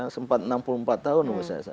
ya sudah berumur empat tahun